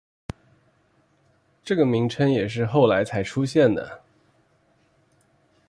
这个名称也是后来才出现的。